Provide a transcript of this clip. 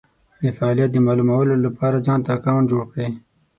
دفعالیت د مالومولو دپاره ځانته اکونټ جوړ کړی